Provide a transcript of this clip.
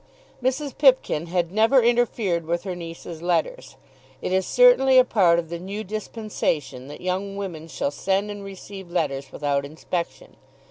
Mrs. Pipkin had never interfered with her niece's letters. It is certainly a part of the new dispensation that young women shall send and receive letters without inspection.